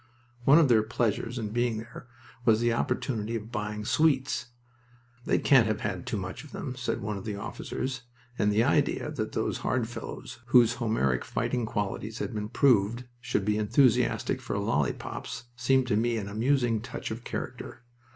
One of their pleasures in being there was the opportunity of buying sweets! "They can't have too much of them," said one of the officers, and the idea that those hard fellows, whose Homeric fighting qualities had been proved, should be enthusiastic for lollipops seemed to me an amusing touch of character.